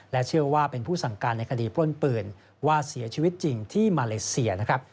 เชื่อว่าเป็นผู้สั่งการในคดีปล้นปืนว่าเสียชีวิตจริงที่มาเลเซียนะครับ